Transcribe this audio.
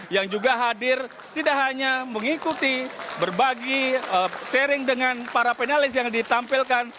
yang juga hadir tidak hanya mengikuti berbagi sharing dengan para panelis yang ditampilkan